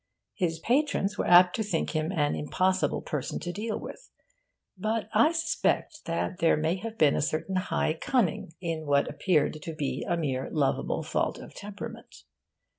His patrons were apt to think him an impossible person to deal with. But I suspect that there may have been a certain high cunning in what appeared to be a mere lovable fault of temperament.